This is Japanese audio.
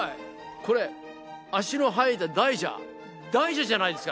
これ足の生えた大蛇大蛇じゃないですか！